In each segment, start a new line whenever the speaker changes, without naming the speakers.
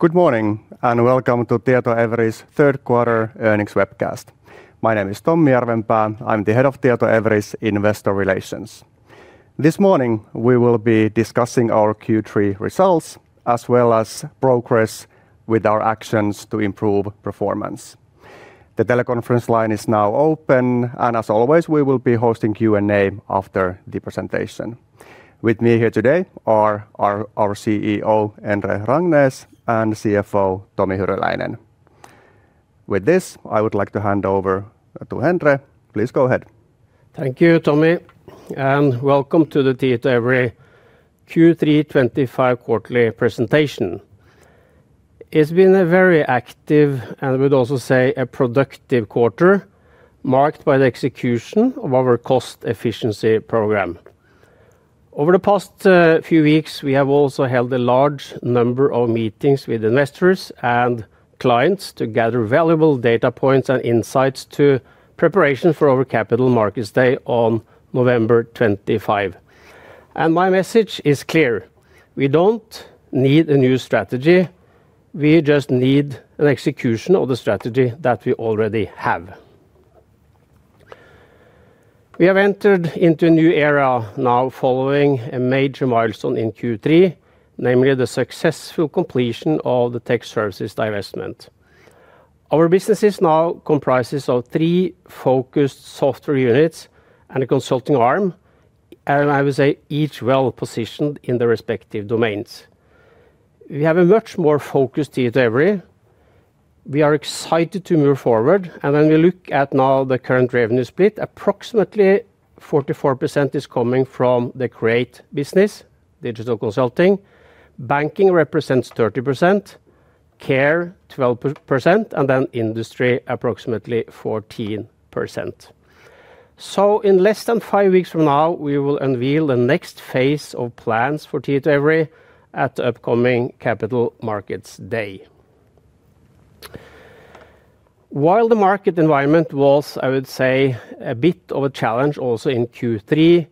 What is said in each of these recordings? Good morning and welcome to Tietoevry's third quarter earnings webcast. My name is Tommi Järvenpää, I'm the Head of Tietoevry Investor Relations. This morning we will be discussing our Q3 results as well as progress with our actions to improve performance. The teleconference line is now open, and as always we will be hosting Q&A after the presentation. With me here today are our CEO Endre Rangnes and CFO Tomi Hyryläinen. With this I would like to hand over to Endre. Please go ahead.
Thank you Tommi and welcome to the Tietoevry Q3 2025 quarterly presentation. It's been a very active and I would also say a productive quarter marked by the execution of our cost efficiency program. Over the past few weeks we have also held a large number of meetings with investors and clients to gather valuable data points and insights in preparation for our capital markets day on November 25th. My message is clear. We don't need a new strategy, we just need an execution of the strategy that we already have. We have entered into a new era now following a major milestone in Q3, namely the successful completion of the Tech Services divestment. Our business now comprises three focused software units and a consulting arm and I would say each is well positioned in their respective domains. We have a much more focused Tietoevry. We are excited to move forward and when we look at now the current revenue split, approximately 44% is coming from the Create business Digital consulting, Banking represents 30%, Care 12% and then Industry approximately 14%. In less than five weeks from now we will unveil the next phase of plans for Tietoevry at the upcoming capital markets day. While the market environment was I would say a bit of a challenge, also in Q3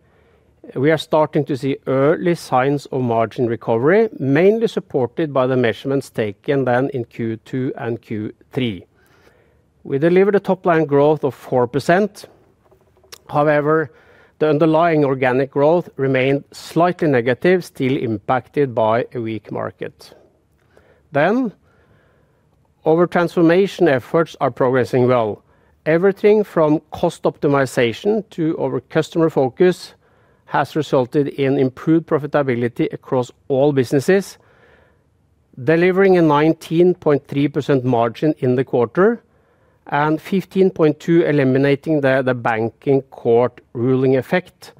we are starting to see early signs of margin recovery mainly supported by the measurements taken in Q2 and Q3. We delivered a top-line growth of 4%. However, the underlying organic growth remained slightly negative, still impacted by a weak market. Our transformation efforts are progressing well. Everything from cost optimization to our customer focus has resulted in improved profitability across all businesses, delivering a 19.3% margin in the quarter and 15.2% eliminating the Banking court ruling effect.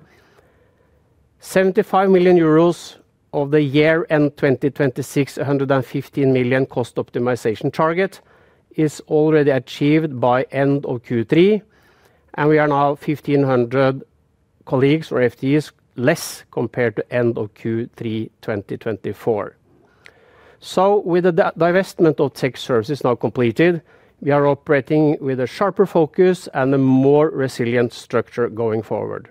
75 million euros of the year-end 2026 115 million cost optimization target is already achieved by end of Q3 and we are now 1,500 colleagues or FTEs less compared to end of Q3 2024. With the divestment of Tech Services now completed, we are operating with a sharper focus and a more resilient structure going forward.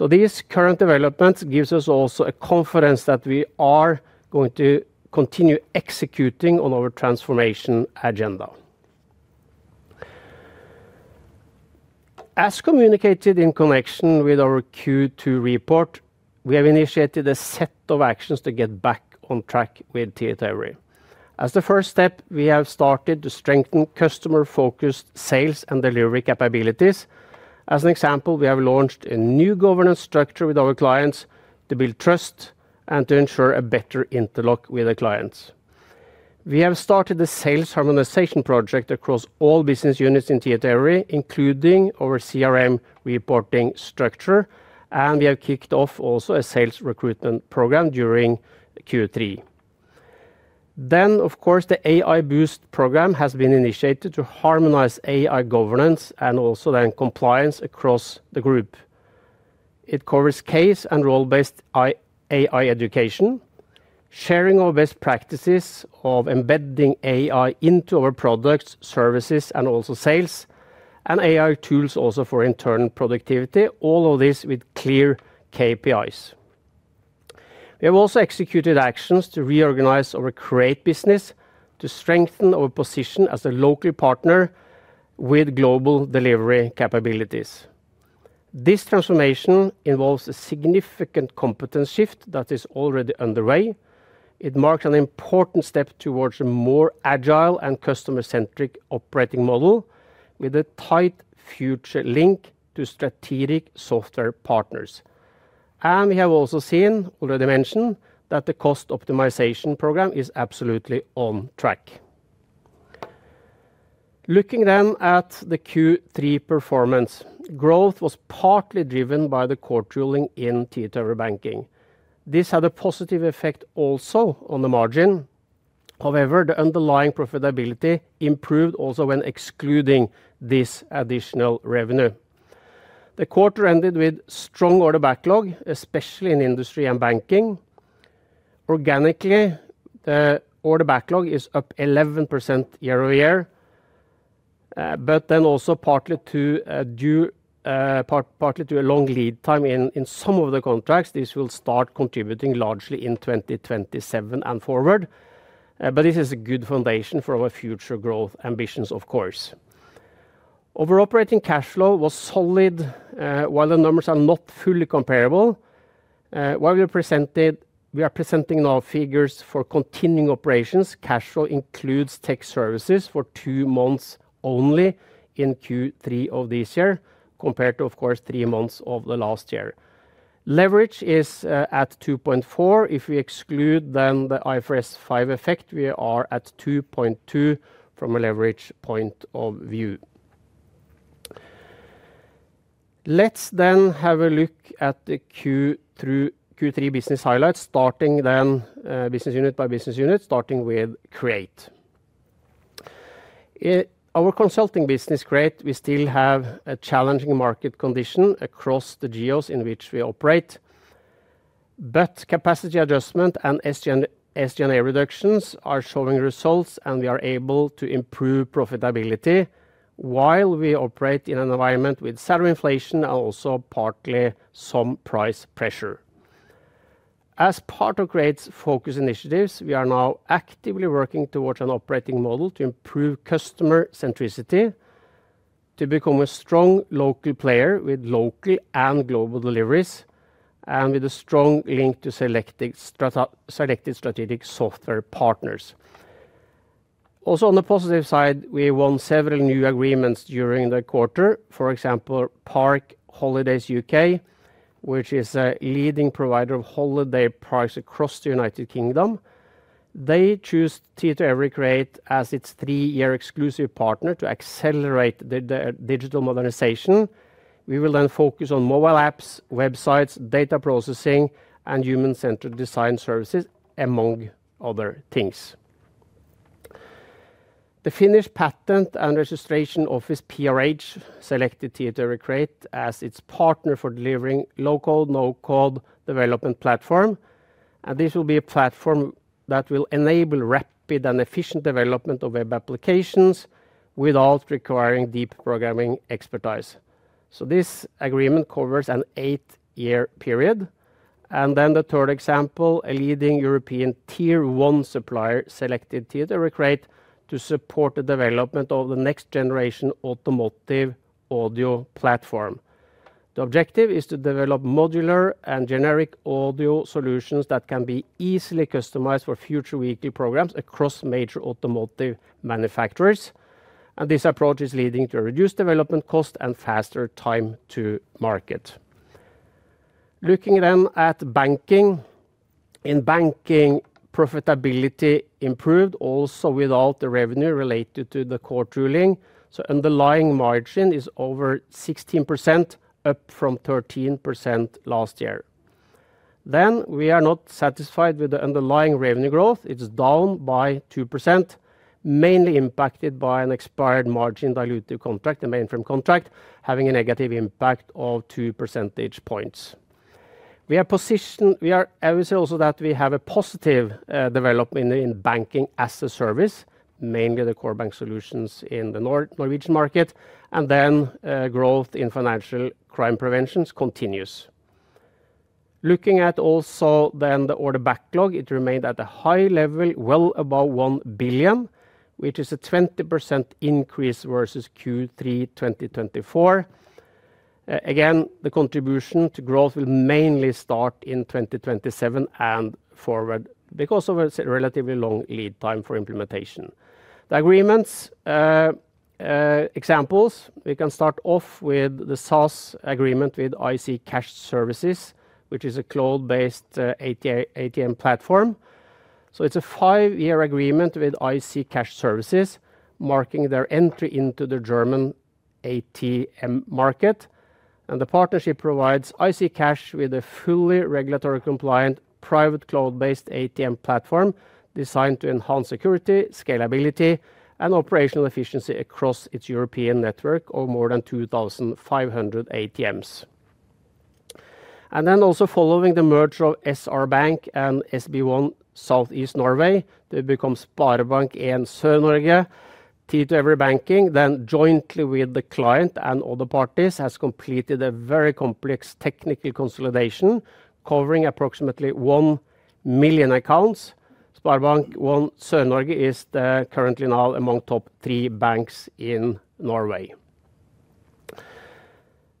These current developments give us also confidence that we are going to continue executing on our transformation agenda as communicated in connection with our Q2 report. We have initiated a set of actions to get back on track with Tietoevry. As the first step we have started to strengthen customer-focused sales and delivery capabilities. As an example, we have launched a new governance structure with our clients to build trust and to ensure a better interlock with the clients. We have started a sales harmonization project across all business units in Tietoevry including our CRM reporting structure, and we have kicked off also a sales recruitment program during Q3. Of course, the AI Boost program has been initiated to harmonize AI governance and also then compliance across the group. It covers case and role-based AI education, sharing our best practices of embedding AI into our products, services, and also sales and AI tools also for internal productivity. All of this with clear KPIs. We have also executed actions to reorganize or Create business to strengthen our position as a local partner with global delivery capabilities. This transformation involves a significant competence shift that is already underway. It marks an important step towards a more agile and customer-centric operating model with a tight future link to strategic software partnerships. We have also seen already mentioned that the cost optimization program is absolutely on track. Looking then at the Q3 performance, growth was partly driven by the court ruling in Tietoevry Banking. This had a positive effect also on the margin. However, the underlying profitability improved also when excluding this additional revenue. The quarter ended with strong order backlog, especially in Industry and Banking. Organically, the order backlog is up 11% year-over-year, but then also partly due to a long lead time in some of the contracts. This will start contributing largely in 2027 and forward, but this is a good foundation for our future growth ambitions. Of course, our operating cash flow was solid while the numbers are not fully comparable. While we are presenting now figures for continuing operations, cash flow includes Tech Services for two months only in Q3 of this year compared to, of course, three months of the last year. Leverage is at 2.4. If we exclude then the IFRS 5 effect, we are at 2.2 from a leverage point of view. Let's then have a look at the Q3 business highlights, starting then business unit by business unit, starting with Create, our consulting business Create. We still have a challenging market condition across the geos in which we operate, but capacity adjustment and SG&A reductions are showing results, and we are able to improve profitability while we operate in an environment with stubborn inflation and also partly some price pressure. As part of Create's focus initiatives, we are now actively working towards an operating model to improve customer-centricity, to become a strong local player with local and global deliveries, and with a strong link to selected strategic software partnerships. Also on the positive side, we won several new agreements during the quarter. For example, Park Holidays UK, which is a leading provider of holiday parks across the United Kingdom. They chose Tietoevry Create as its three-year exclusive partner to accelerate their digital modernization. We will then focus on mobile apps, websites, data processing, and human-centered design services, among other things. The Finnish Patent and Registration Office PRH selected Tietoevry Create as its partner for delivering a local no-code development platform. This will be a platform that will enable rapid and efficient development of web applications without requiring deep programming expertise. This agreement covers an eight-year period. A third example, a leading European Tier 1 supplier selected Tietoevry Create to support the development of the next-generation automotive audio platform. The objective is to develop modular and generic audio solutions that can be easily customized for future vehicle programs across major automotive manufacturers, and this approach is leading to reduced development cost and faster time to market. Looking at banking, in banking profitability improved also without the revenue related to the court ruling. Underlying margin is over 16%, up from 13% last year. We are not satisfied with the underlying revenue growth. It is down by 2%, mainly impacted by an expired margin-dilutive contract, a mainframe contract having a negative impact of 2 percentage points. We are obviously also seeing that we have a positive development in banking as a service, mainly the core bank solutions in the Norwegian market, and growth in financial crime prevention continues. Looking at the order backlog, it remained at a high level well above 1 billion, which is a 20% increase versus Q3 2024. Again, the contribution to growth will mainly start in 2027 and forward because of a relatively long lead time for implementation of the agreements. Examples: we can start off with the SaaS agreement with IC Cash Services, which is a cloud-based ATM platform. It's a five-year agreement with IC Cash Services, marking their entry into the German ATM market. The partnership provides IC Cash with a fully regulatory compliant private cloud-based ATM platform designed to enhance security, scalability, and operational efficiency across its European network of more than 2,500 ATMs. Following the merger of SR Bank and SB Bank South East Norway, they become SpareBank 1 Sørøst-Norge T2. Tietoevry Banking then, jointly with the client and other parties, has completed a very complex technical consolidation covering approximately 1 million accounts. SpareBank 1 Sørøst-Norge is currently now among the top three banks in Norway.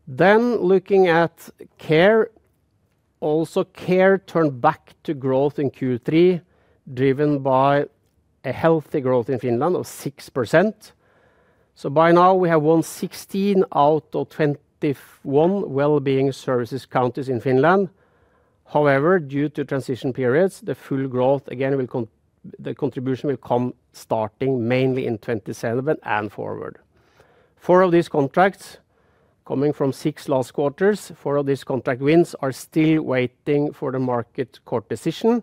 Looking at Care, also Tietoevry Care turned back to growth in Q3, driven by a healthy growth in Finland of 6%. By now, we have won 16 out of 21 wellbeing services counties in Finland. However, due to transition periods, the full growth—the contribution—will come starting mainly in 2027 and forward, four of these contracts coming from the last six quarters. Four of these contract wins are still waiting for the market court decision,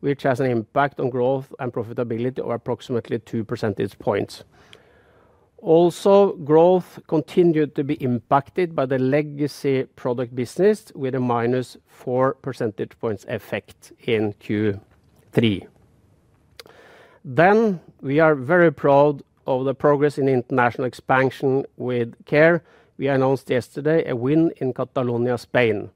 which has an impact on growth and profitability of approximately 2%. Growth continued to be impacted by the legacy product business with a -4% effect in Q3. We are very proud of the progress in international expansion with Care. We announced yesterday a win in Catalonia, Spain.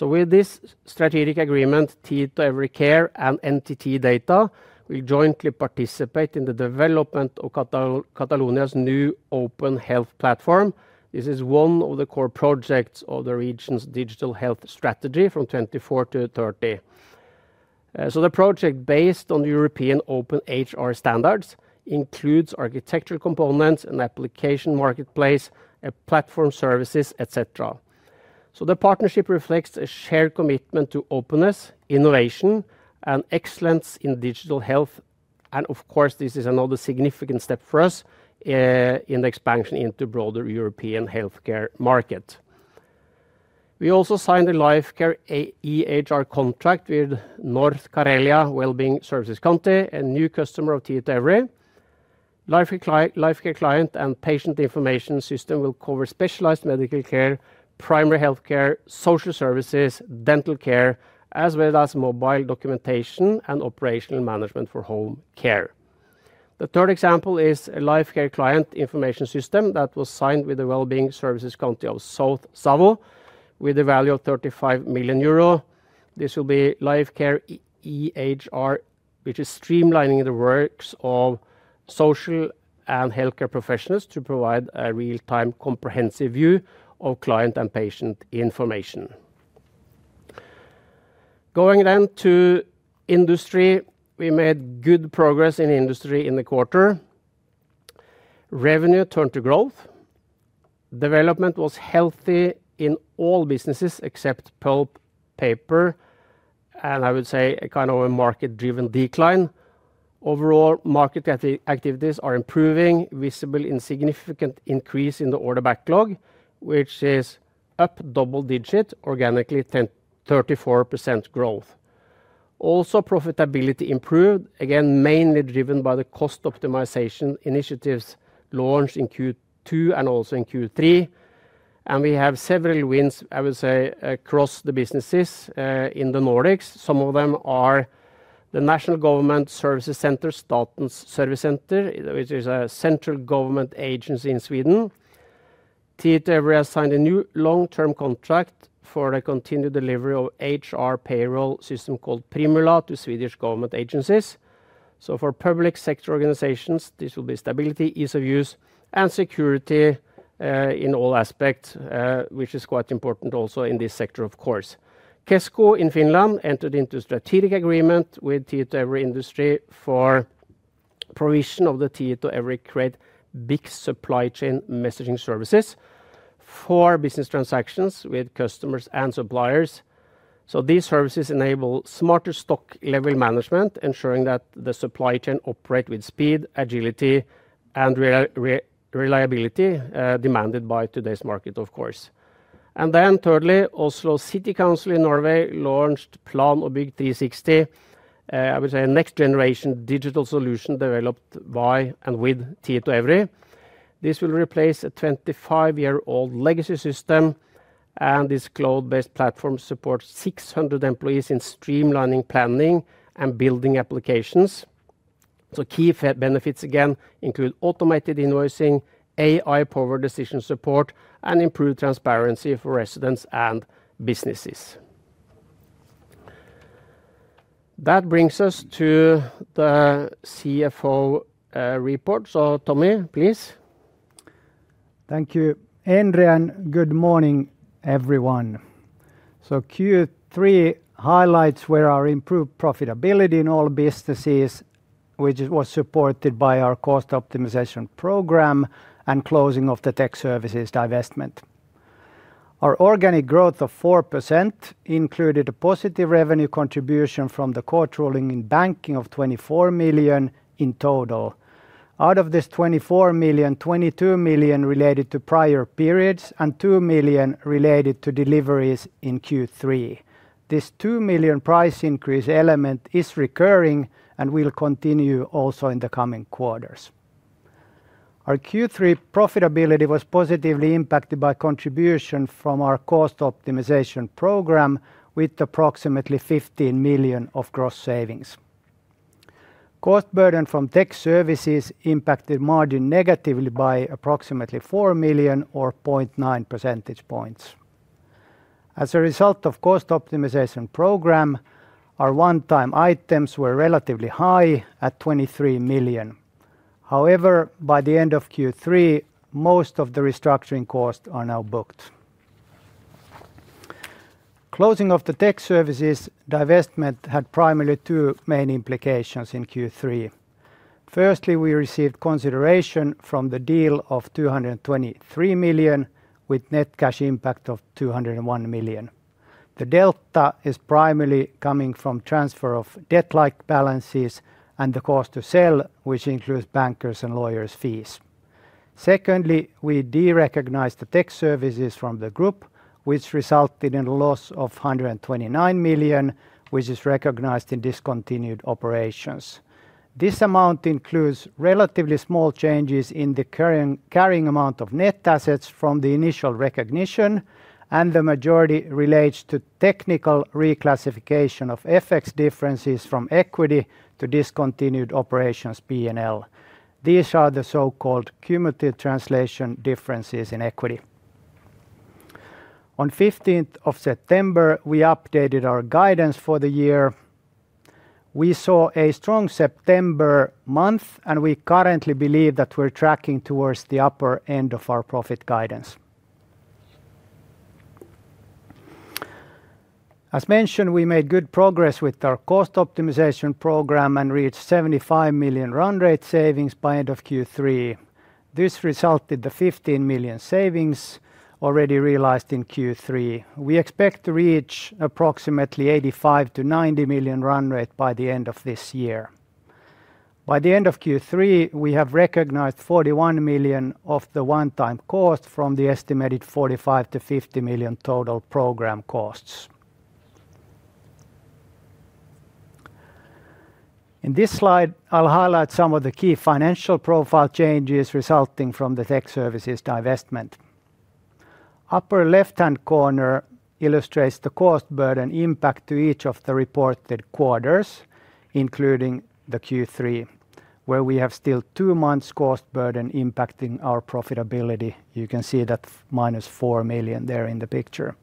With this strategic agreement, Tietoevry Care and NTT Data will jointly participate in the development of Catalonia's new Open Health platform. This is one of the core projects of the region's digital health strategy from 2024-2030. The project, based on European OpenHR standards, includes architecture components, an application marketplace, platform services, etc. The partnership reflects a shared commitment to openness, innovation, and excellence in digital health. This is another significant step for us in the expansion into the broader European healthcare market. We also signed a Lifecare EHR contract with North Karelia Wellbeing Services County, a new customer of Tietoevry Life Care. Client and patient information system will cover specialized medical care, primary healthcare, social services, dental care as well as mobile documentation and operational management for home care. The third example is a Life Care client information system that was signed with the Wellbeing Services County of South Savo with a value of 35 million euro. This will be Life Care EHR, which is streamlining the work of social and healthcare professionals to provide a real-time comprehensive view of client and patient information. Going then to Industry. We made good progress in Industry in the quarter. Revenue turned to growth. Development was healthy in all businesses except pulp and paper, and I would say a kind of a market-driven decline. Overall market activities are improving, visible in significant increase in the order backlog, which is up double digit organically. 34% growth. Also, profitability improved again, mainly driven by the cost optimization initiatives launched in Q2 and also in Q3. We have several wins, I would say, across the businesses in the Nordics. Some of them are the National Government Service Centre, which is a central government agency in Sweden. Tietoevry has signed a new long-term contract for a continued delivery of HR payroll system called Primula to Swedish government agencies. For public sector organizations, this will be stability, ease of use, and security in all aspects, which is quite important also in this sector, of course. Kesko in Finland entered into a strategic agreement with Tietoevry Industry for provision of the Tietoevry Create Big supply chain messaging services for business transactions with customers and suppliers. These services enable smarter stock level management, ensuring that the supply chain operates with speed, agility, and reliability demanded by today's market, of course. Thirdly, Oslo City Council in Norway launched PlanoBIG T60, I would say a next-generation digital solution developed by and with Tietoevry. This will replace a 25-year-old legacy system, and this cloud-based platform supports 600 employees in streamlining, planning, and building applications. Key benefits again include automated invoicing, AI-powered decision support, and improved transparency for residents and businesses. That brings us to the CFO report. Tomi, please.
Thank you, Endre, and good morning, everyone. Q3 highlights were our improved profitability in all businesses, which was supported by our cost optimization program and closing of the Tech Services divestment. Our organic growth of 4% included a positive revenue contribution from the court ruling in Banking of 24 million in total. Out of this 24 million, 22 million related to prior periods and 2 million related to deliveries in Q3. This 2 million price increase element is recurring and will continue also in the coming quarters. Our Q3 profitability was positively impacted by contribution from our cost optimization program with approximately 15 million of gross savings. Cost burden from Tech Services impacted margin negatively by approximately 4 million or 0.9 percentage points. As a result of the cost optimization program, our one-time items were relatively high at 23 million. However, by the end of Q3, most of the restructuring costs are now booked. Closing of the Tech Services divestment had primarily two main implications in Q3. Firstly, we received consideration from the deal of 223 million with net cash impact of 201 million. The delta is primarily coming from transfer of debt-like balances and the cost to sell, which includes bankers' and lawyers' fees. Secondly, we de-recognized the Tech Services from the group, which resulted in a loss of 129 million, which is recognized in discontinued operations. This amount includes relatively small changes in the carrying amount of net assets from the initial recognition, and the majority relates to technical reclassification of FX differences from equity to discontinued operations P&L. These are the so-called cumulative translation differences in equity. On 15th of September, we updated our guidance for the year. We saw a strong September month, and we currently believe that we're tracking towards the upper end of our profit guidance. As mentioned, we made good progress with our cost optimization program and reached 75 million run-rate savings by end of Q3. This resulted in the 15 million savings already realized in Q3. We expect to reach approximately 85 million-90 million run-rate by the end of this year. By the end of Q3, we have recognized 41 million of the one-time cost from the estimated 45 million-50 million total program costs. In this slide, I'll highlight some of the key financial profile changes resulting from the Tech Services divestment. Upper left hand corner illustrates the cost burden impact to each of the reported quarters including the Q3 where we have still two months cost burden impacting our profitability. You can see that minus $4 million there in the picture.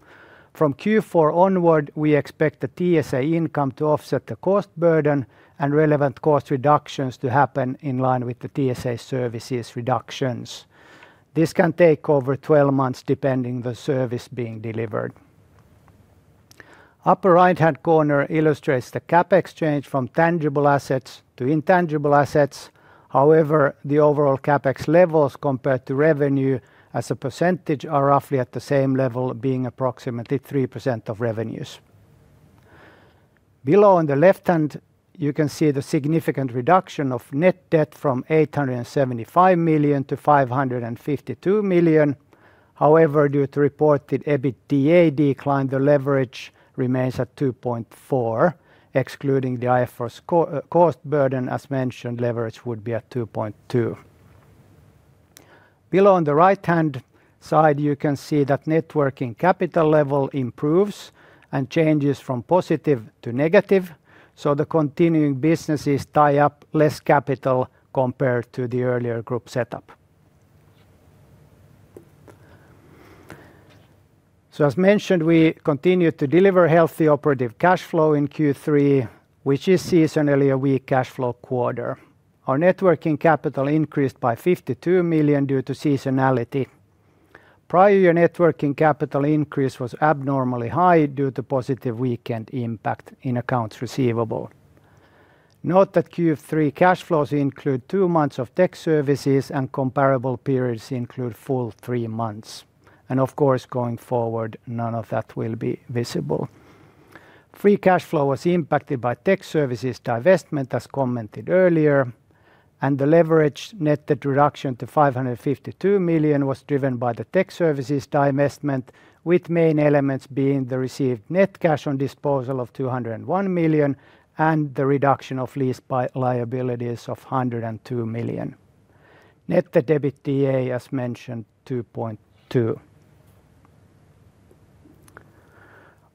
From Q4 onward we expect the TSA income to offset the cost burden and relevant cost reductions to happen in line with the TSA services reductions. This can take over 12 months depending the service being delivered. Upper right hand corner illustrates the CapEx change from tangible assets to intangible assets. However, the overall CapEx levels compared to revenue as a percentage are roughly at the same level being approximately 3% of revenues. Below on the left hand you can see the significant reduction of net debt from $875 million-$552 million. However, due to reported EBITDA decline the leverage remains at 2.4 excluding the IFRS 5 cost burden. As mentioned, leverage would be at 2.2. Below on the right hand side you can see that net working capital level improves and changes from positive to negative so the continuing businesses tie up less capital compared to the earlier group setup. As mentioned, we continue to deliver healthy operative cash flow in Q3 which is seasonally a weak cash flow quarter. Our net working capital increased by $52 million due to seasonality. Prior year net working capital increase was abnormally high due to positive weekend impact in accounts receivable. Note that Q3 cash flows include two months of Tech Services and comparable periods include full three months and of course going forward none of that will be visible. Free cash flow was impacted by Tech Services divestment as commented earlier and the leveraged net debt reduction to $552 million was driven by the Tech Services divestment with main elements being the received net cash on disposal of $201 million and the reduction of lease liabilities of $102 million. Net debt/EBITDA as mentioned 2.2.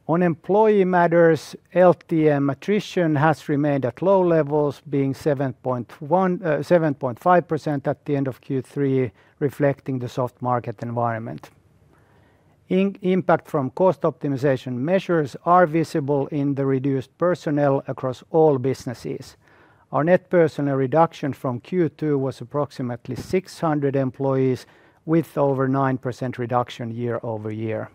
On employee matters, LTM attrition has remained at low levels being 7.5% at the end of Q3 reflecting the soft market environment. Impact from cost optimization measures are visible in the reduced personnel across all businesses. Our net personnel reduction from Q2 was approximately 600 employees with over 9% reduction year over year.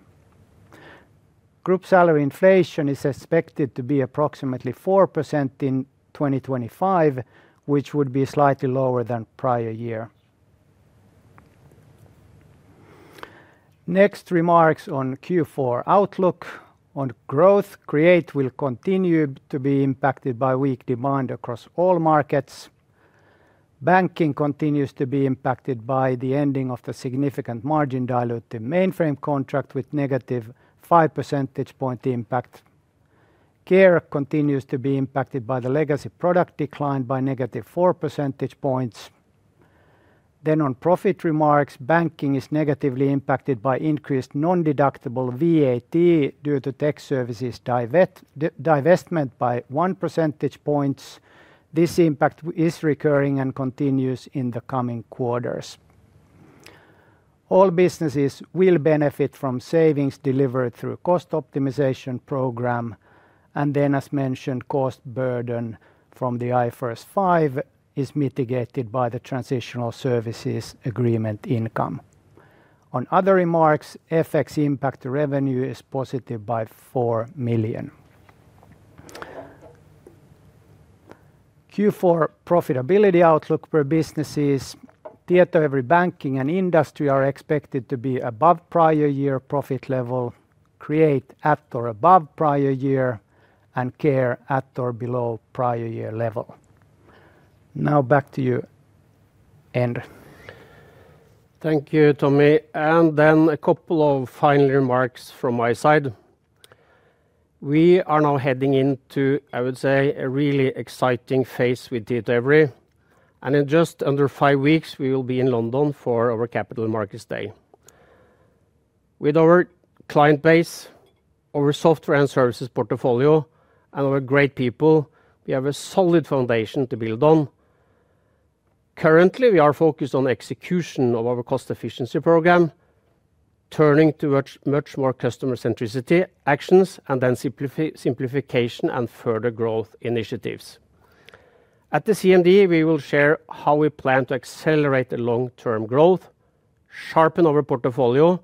Group salary inflation is expected to be approximately 4% in 2025 which would be slightly lower than prior year. Next remarks on Q4 outlook on growth, Create will continue to be impacted by weak demand across all markets. Banking continues to be impacted by the ending of the significant margin dilute the mainframe contract with negative 5% impact. Care continues to be impacted by the legacy product decline by negative 4%. On profit remarks, banking is negatively impacted by increased non-deductible VAT due to Tech Services divestment by 1%. This impact is recurring and continues in the coming quarters. All businesses will benefit from savings delivered through cost optimization program, and as mentioned, cost burden from the IFRS 5 is mitigated by the transitional services agreement income. On other remarks, FX impact revenue is positive by 4 million. Q4 profitability outlook for businesses Tietoevry Banking and Industry are expected to be above prior year profit level, Create at or above prior year, and Care at or below prior year level. Now back to you, Endre.
Thank you Tommi. A couple of final remarks from my side. We are now heading into, I would say, a really exciting phase with Tietoevry and in just under five weeks we will be in London for our capital markets day. With our client base, our software and services portfolio, and our great people, we have a solid foundation to build on. Currently, we are focused on execution of our cost efficiency program, turning to much more customer-centricity actions, and then simplification and further growth initiatives. At the CMD, we will share how we plan to accelerate the long-term growth, sharpen our portfolio,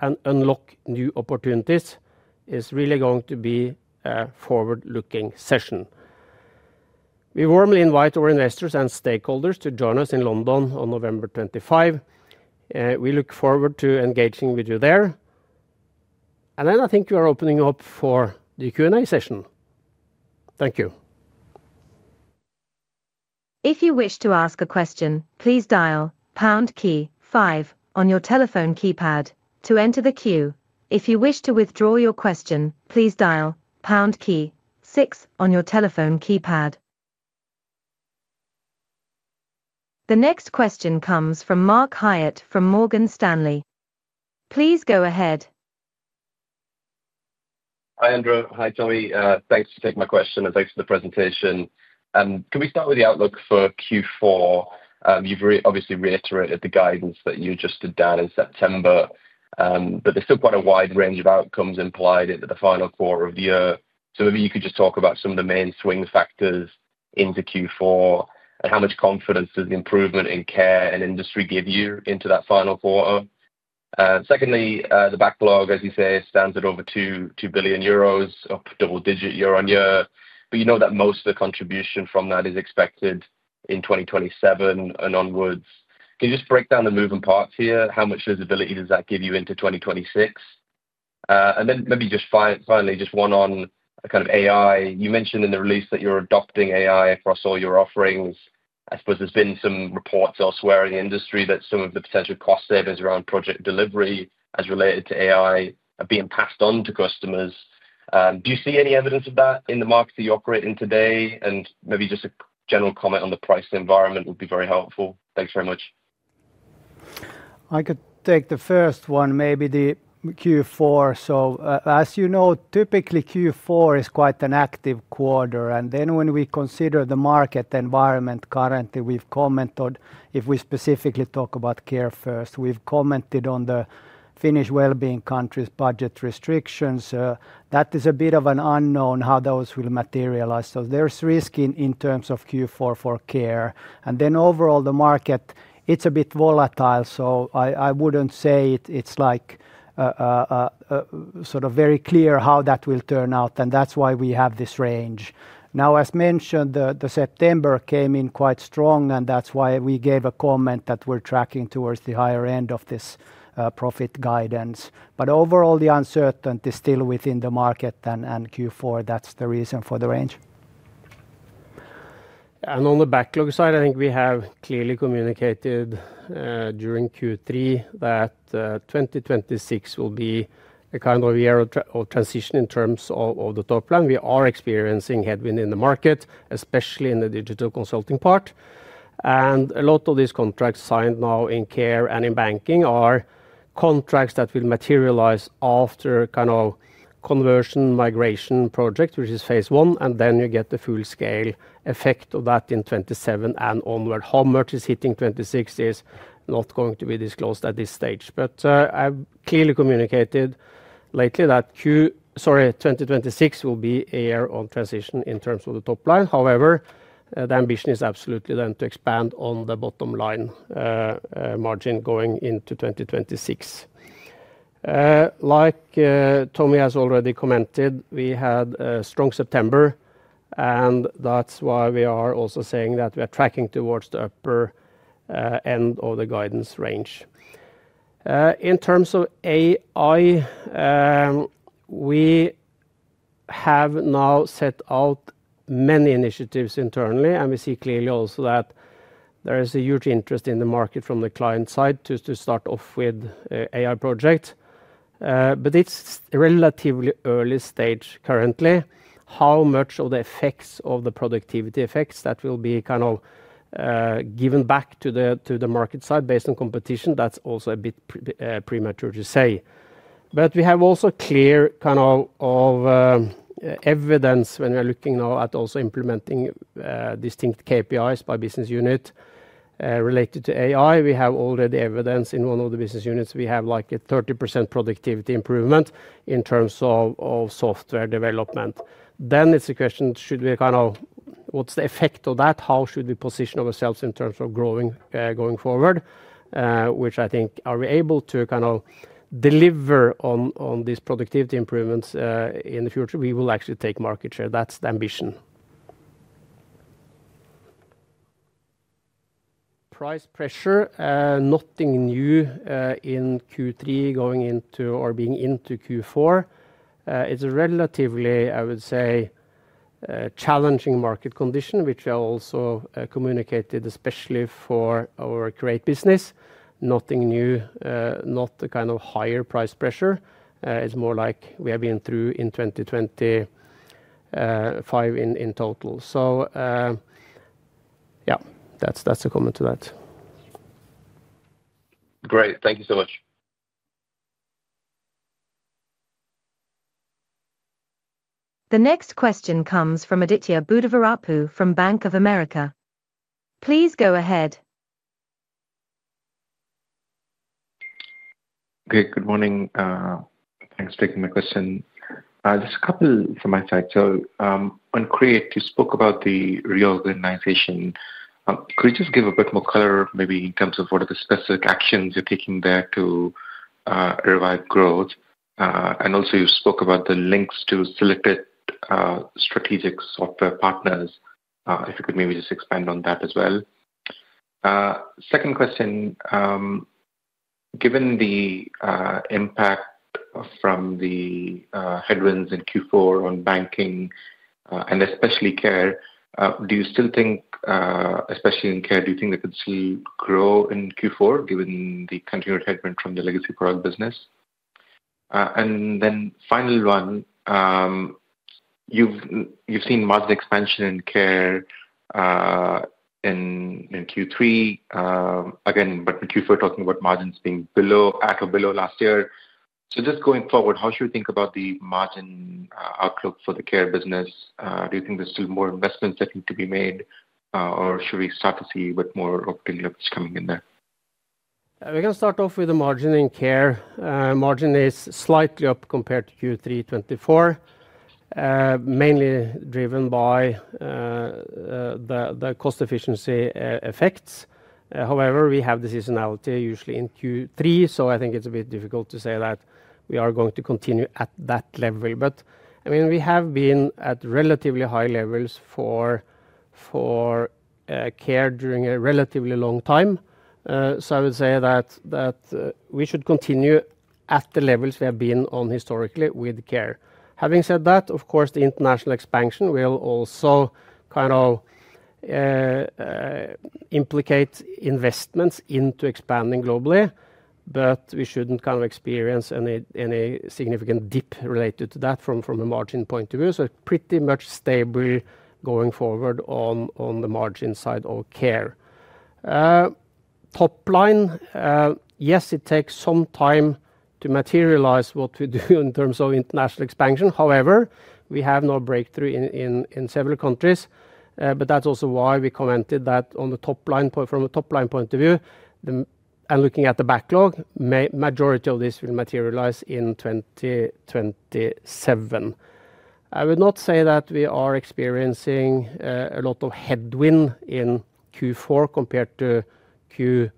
and unlock new opportunities. It is really going to be a forward-looking session. We warmly invite our investors and stakeholders to join us in London on November 25. We look forward to engaging with you there, and I think we are opening up for the Q&A session. Thank you.
If you wish to ask a question, please dial pound key five dial on your telephone keypad to enter the queue. If you wish to withdraw your question, please dial pound key six on your telephone keypad. The next question comes from Mark Hyatt from Morgan Stanley. Please go ahead.
Hi Endre. Hi Tomi. Thanks for taking my question and thanks for the presentation. Can we start with the outlook for Q4? You've obviously reiterated the guidance that you adjusted down in September, but there's still quite a wide range of outcomes implied into the final quarter of the year. Maybe you could just talk about some of the main swing factors into Q4 and how much confidence does the improvement in Care and Industry give you into that final quarter. Secondly, the backlog, as you say, stands at over 2 billion euros, up double digit year on year. You know that most of the contribution from that is expected in 2027 and onwards. Can you just break down the moving parts here? How much visibility does that give you into 2026? Maybe just finally, just one on kind of AI. You mentioned in the release that you're adopting AI across all your offerings. I suppose there's been some reports elsewhere in the industry that some of the potential cost savings around project delivery as related to AI are being passed on to customers. Do you see any evidence of that in the market that you operate in today? Maybe just a quick general comment on the price environment would be very helpful. Thanks very much.
I could take the first one, maybe the Q4. As you know, typically Q4 is quite an active quarter. When we consider the market environment currently, we've commented, if we specifically talk about Care first, we've commented on the Finnish well-being country's budget restrictions. That is a bit of an unknown how those will materialize. There's risk in terms of Q4 for Care and also overall the market, it's a bit volatile. I wouldn't say it's very clear how that will turn out, and that's why we have this range. As mentioned, September came in quite strong, and that's why we gave a comment that we're tracking towards the higher end of this profit guidance. Overall, the uncertainty is still within the market and Q4, that's the reason for the range.
On the backlog side, I think we have clearly communicated during Q3 that 2026 will be a kind of year of transition in terms of the top line. We are experiencing headwind in the market, especially in the digital consulting part. A lot of these contracts signed now in Care and in Banking are contracts that will materialize after kind of conversion migration project, which is phase one, and then you get the full scale effect of that in 2027 and onward. How much is hitting 2026 is not going to be disclosed at this stage. I've clearly communicated lately that 2026 will be a year of transition in terms of the top line. However, the ambition is absolutely then to expand on the bottom line margin going into 2026. Like Tomi has already commented, we had a strong September and that's why we are also saying that we are tracking towards the upper end of the guidance range in terms of AI. We have now set out many initiatives internally and we see clearly also that there is a huge interest in the market from the client side to start off with AI project. It's relatively early stage currently. How much of the effects, the productivity effects, that will be kind of given back to the market side based on competition? That's also a bit premature to say. We have also clear kind of evidence when we're looking now at also implementing distinct KPIs by business unit related to AI. We have already evidence in one of the business units we have like a 30% productivity improvement in terms of software development. Then it's a question, should we kind of, what's the effect of that? How should we position ourselves in terms of growing going forward, which I think, are we able to kind of deliver on these productivity improvements in the future? We will actually take market share. That's the ambition. Price pressure, nothing new in Q3 going into or being into Q4. It's a relatively, I would say, challenging market condition, which I also communicated, especially for our Create business. Nothing new, not the kind of higher price pressure. It's more like we have been through in 2025 in total. That's a comment too.
Great, thank you so much.
The next question comes from Aditya Buddhavarapu from Bank of America. Please go ahead.
Great. Good morning. Thanks for taking my question. Just a couple from my side. On Create, you spoke about the reorganization. Could you just give a bit more color maybe in terms of what are the specific actions you're taking there to revive growth? You spoke about the links to selected strategic software partners. If you could maybe just expand on that as well. Second question, given the impact from the headwinds in Q4 on Banking and especially Care, do you still think, especially in Care, do you think they could still grow in Q4 given the continued headwind from the legacy product business? Final one, you've seen margin expansion in Care in Q3 again, but Q4, talking about margins being at or below last year. Going forward, how should we think about the margin outlook for the Care business? Do you think there's still more investments that need to be made or should we start to see more of delivery coming in there?
We can start off with the margin in Care. Margin is slightly up compared to Q3 2024, mainly driven by the cost efficiency effects. However, we have the seasonality usually in Q3, so I think it's a bit difficult to say that we are going to continue at that level. I mean, we have been at relatively high levels for Care during a relatively long time. I would say that we should continue at the levels we have been on historically with Care. Having said that, of course, the international expansion will also kind of implicate investments into expanding globally, but we shouldn't experience any significant dip related to that from a margin point of view. Pretty much stable going forward on the margin side of Care. Top line, yes, it takes some time to materialize what we do in terms of international expansion. However, we have no breakthrough in several countries. That's also why we commented that from a top-line point of view and looking at the backlog, majority of this will materialize in 2025. I would not say that we are experiencing a lot of headwind in Q4 compared to Q3.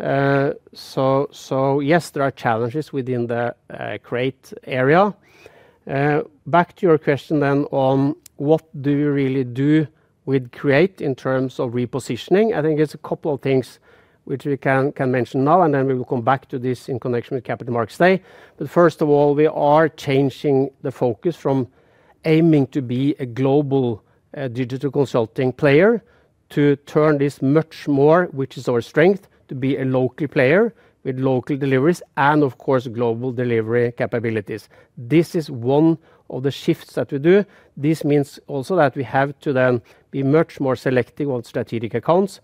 Yes, there are challenges within the Create area. Back to your question then on what do you really do with Create in terms of repositioning? I think it's a couple of things which we can mention now and then we will come back to this in connection with Capital Markets Day. First of all, we are changing the focus from aiming to be a global digital consulting player to turn this much more, which is our strength, to be a local player with local deliveries and, of course, global delivery capabilities. This is one of the shifts that we do. This means also that we have to then be much more selective on strategic accounts,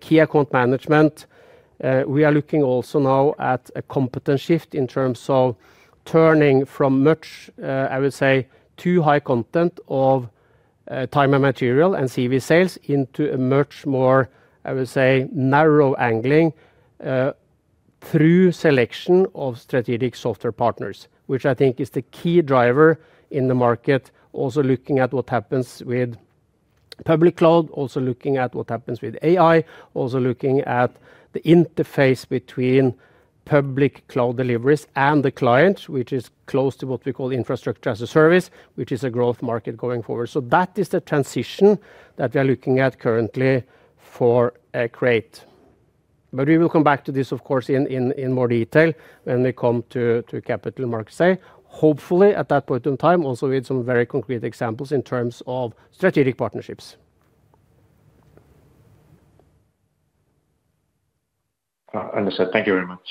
key account management. We are looking also now at a competence shift in terms of turning from much, I would say, too high content of time and material and CV sales into a much more, I would say, narrow angling through selection of strategic software partnerships, which I think is the key driver in the market. Also looking at what happens with public cloud, also looking at what happens with AI, also looking at the interface between public cloud deliveries and the client, which is close to what we call infrastructure as a service, which is a growth market going forward. That is the transition that we are looking at currently for Create. We will come back to this, of course, in more detail when we come to Capital Markets Day, hopefully at that point in time also with some very concrete examples in terms of strategic partnerships.
Understood, thank you very much.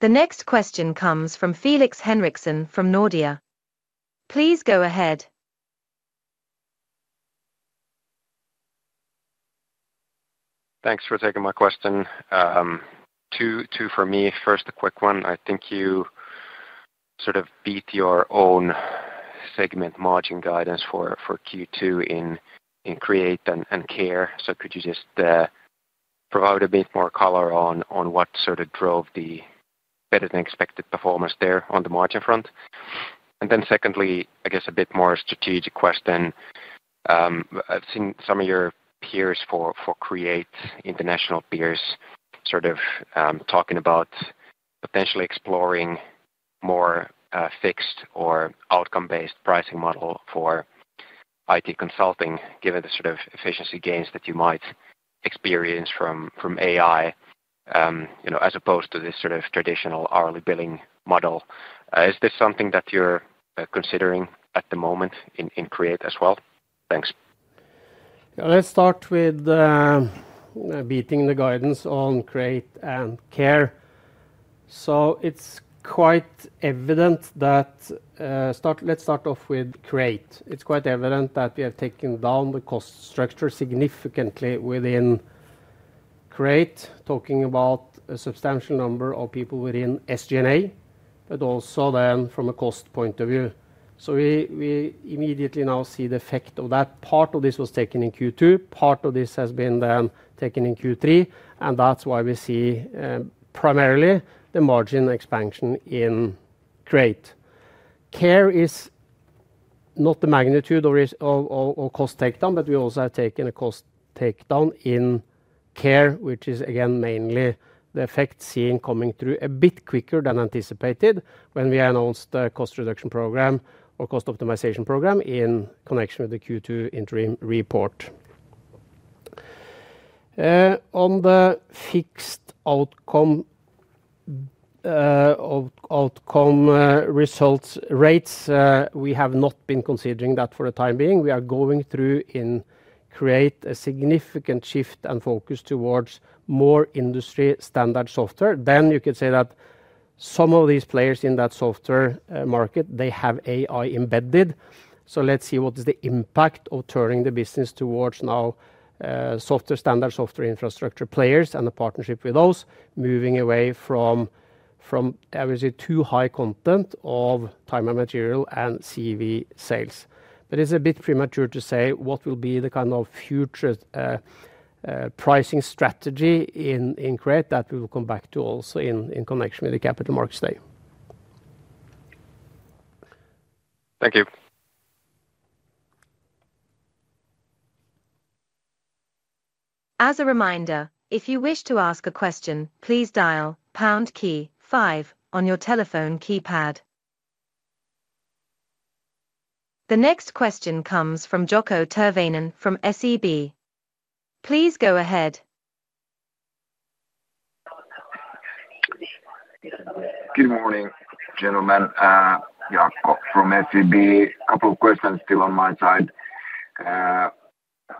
The next question comes from Felix Henriksson from Nordea. Please go ahead.
Thanks for taking my question, two for me. First, a quick one. I think you sort of beat your own segment margin guidance for Q2 in Create and Care. Could you just provide a bit more color on what sort of drove the better than expected performance there on the margin front? Secondly, I guess a bit more strategic question. I've seen some of your peers for Create, international peers, sort of talking about potentially exploring more fixed or outcome-based pricing model for IT consulting. Given the sort of efficiency gains that you might experience from AI as opposed to this sort of traditional hourly billing model, is this something that you're considering at the moment in Create as well? Thanks.
Let's start with beating the guidance on Create and Care. It's quite evident that we have taken down the cost structure significantly within Create, talking about a substantial number of people within SG&A, but also then from a cost point of view. We immediately now see the effect of that. Part of this was taken in Q2, part of this has been taken in Q3, and that's why we see primarily the margin expansion in Create. Care is not the magnitude of cost takedown, but we also have taken a cost takedown in Care, which is again mainly the effect seen coming through a bit quicker than anticipated. When we announced the cost reduction program or cost optimization program in connection with the Q2 interim report on the fixed outcome results rates, we have not been considering that for the time being we are going through in Create a significant shift and focus towards more industry standard software. You could say that some of these players in that software market, they have AI embedded. Let's see what is the impact of turning the business towards now software standard software infrastructure players and the partnership with those, moving away from obviously too high content of time and material and CV sales. It's a bit premature to say what will be the kind of future pricing strategy in Create that we will come back to also in connection with the Capital Markets Day.
Thank you.
As a reminder, if you wish to ask a question, please dial pound key five on your telephone keypad. The next question comes from Jaakko Tyrväinen from SEB. Please go ahead.
Good morning, gentlemen, from SEB. A couple of questions still on my side. The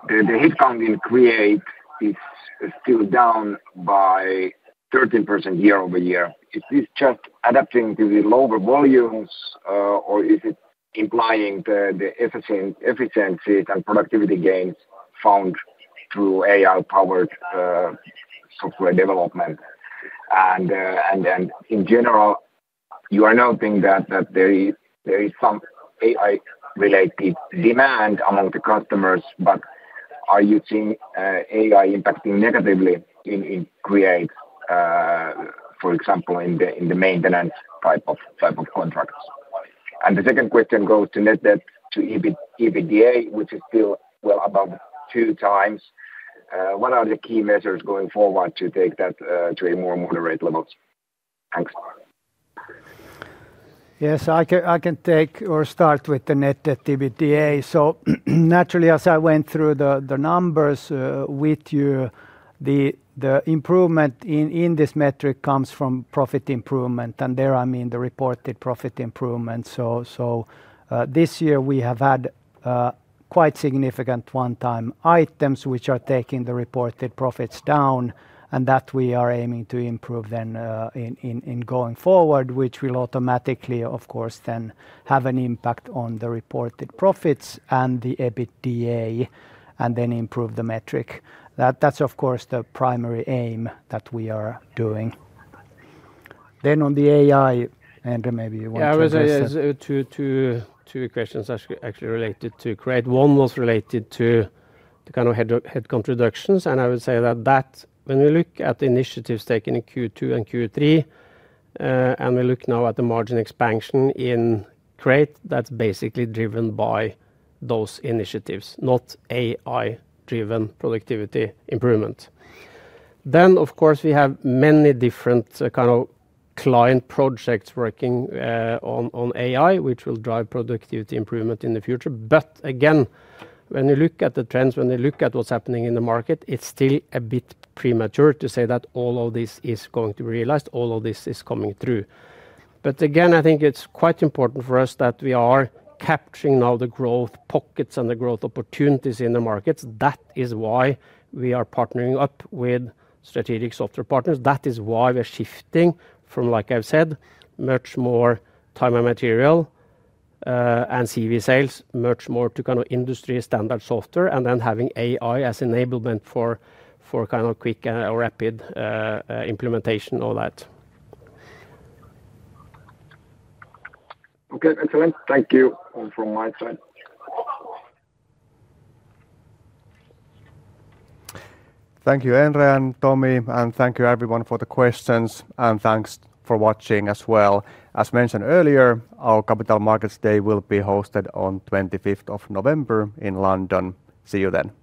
headcount in Create is still down by 13% year-over-year. Is this just adapting to the lower volumes, or is it implying the efficiencies and productivity gains found through AI-powered software development? In general, you are noting that there is some AI-related demand among the customers. Are you seeing AI impacting negatively in Create, for example, in the maintenance type of contracts? The second question goes to net debt to EBITDA, which is still well above two times. What are the key measures going forward to take that to a more moderate level? Thanks.
Yes, I can take or start with the net EBITDA. Naturally, as I went through the numbers with you, the improvement in this metric comes from profit improvement, and there I mean the reported profit improvement. This year we have had quite significant one-time items which are taking the reported profits down, and that we are aiming to improve in going forward, which will automatically, of course, then have an impact on the reported profits and the EBITDA and then improve the metric. That's, of course, the primary aim that we are doing on the AI. Andrew, maybe you want to.
Yeah, two questions actually related to Create. One was related to the kind of headcount reductions, and I would say that when we look at the initiatives taken in Q2 and Q3 and we look now at the margin expansion in Create, that's basically driven by those initiatives, not AI-driven productivity improvement. Of course, we have many different kind of client projects working on AI which will drive productivity improvement in the future. Again, when you look at the trends, when they look at what's happening in the market, it's still a bit premature to say that all of this is going to be realized, all of this is coming through. I think it's quite important for us that we are capturing now the growth pockets and the growth opportunities in the markets. That is why we are partnering up with strategic software partners. That is why we're shifting from, like I've said, much more time and material and CV sales, much more to kind of industry standard software and then having AI as enablement for kind of quick rapid implementation of that.
Okay, excellent. Thank you from my side.
Thank you, Endre and Tomi, and thank you, everyone, for the questions and thanks for watching as well. As mentioned earlier, our Capital Markets Day will be hosted on the 25th of November in London. See you then.